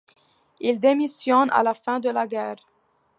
Il démissionne à la fin de la guerre.